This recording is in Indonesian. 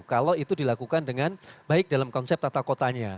kalau itu dilakukan dengan baik dalam konsep tata kotanya